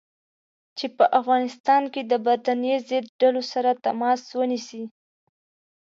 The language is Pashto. چې په افغانستان کې د برټانیې ضد ډلو سره تماس ونیسي.